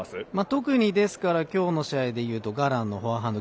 特に今日の試合でいうとガランのフォアハンド